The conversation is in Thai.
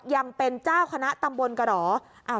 ยังเป็นเจ้าคณะตำบลกระหรอ